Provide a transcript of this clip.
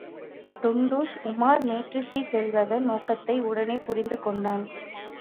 டுன்டுஷ், உமார் மேற்றிசை செல்வதன் நோக்கத்தை உடனே புரிந்து கொண்டான்.